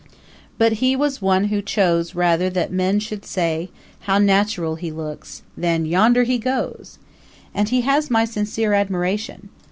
But he was one who chose rather that men should say, 'How natural he looks!' than 'Yonder he goes!' And he has my sincere admiration.